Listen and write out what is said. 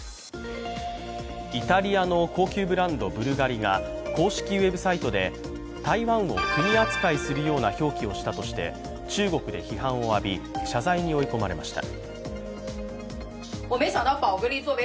イタリアの高級ブランドブルガリが公式ウェブサイトで、台湾を国扱いするような表記をしたとして中国で批判を浴び、謝罪に追い込まれました。